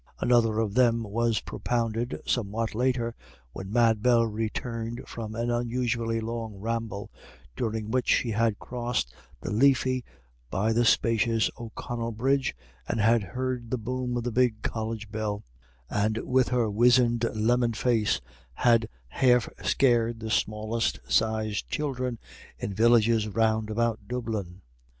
Another of them was propounded somewhat later, when Mad Bell returned from an unusually long ramble, during which she had crossed the Liffey by the spacious O'Connell Bridge, and had heard the boom of the big College bell, and with her wizened lemon face had half scared the smallest sized children in villages round about Dublin.